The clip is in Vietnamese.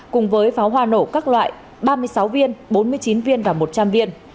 cùng với pháo hoa nổ các loại ba mươi sáu viên bốn mươi chín viên và một trăm linh viên